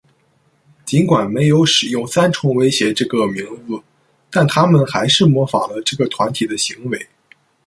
尽管没有使用"三重威胁"这个名字，但他们还是模仿了这个团体的行为。